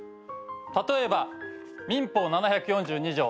例えば民法７４２条。